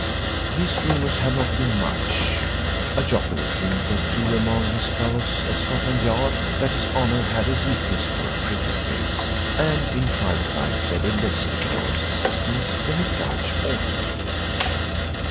These rumours had not been much a jocular hint or two among his fellows at Scotland Yard that His Honour had a weakness for a pretty face and in private life led a less decorous existence than a judge ought to do.